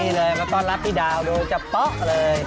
นี่เลยมาต้อนรับพี่ดาวดูจะเป๊ะเลย